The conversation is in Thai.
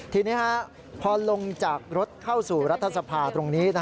ทีนี้พอลงจากรถเข้าสู่รัฐสภาตรงนี้